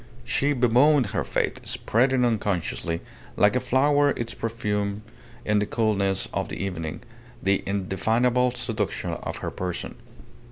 She bemoaned her fate, spreading unconsciously, like a flower its perfume in the coolness of the evening, the indefinable seduction of her person.